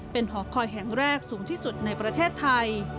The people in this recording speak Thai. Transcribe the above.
เป็นหอคอยแห่งแรกสูงที่สุดในประเทศไทย